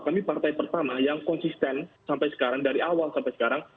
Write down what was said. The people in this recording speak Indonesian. kami partai pertama yang konsisten sampai sekarang dari awal sampai sekarang